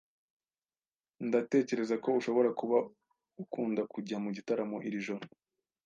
Ndatekereza ko ushobora kuba ukunda kujya mu gitaramo iri joro.